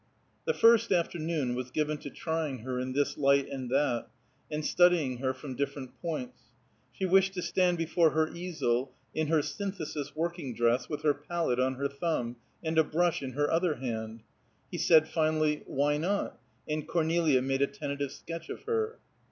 The first afternoon was given to trying her in this light and that, and studying her from different points. She wished to stand before her easel, in her Synthesis working dress, with her palette on her thumb, and a brush in her other hand. He said finally, "Why not?" and Cornelia made a tentative sketch of her.